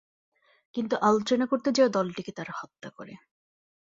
কিন্তু আলোচনা করতে যাওয়া দলটিকে তাঁরা হত্যা করে।